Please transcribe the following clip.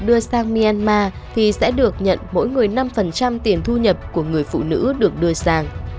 đưa sang myanmar thì sẽ được nhận mỗi người năm tiền thu nhập của người phụ nữ được đưa sang